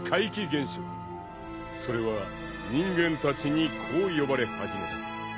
［それは人間たちにこう呼ばれ始めた］